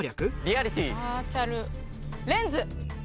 バーチャルレンズ。